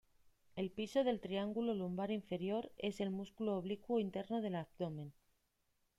El piso del triángulo lumbar inferior es el músculo oblicuo interno del abdomen.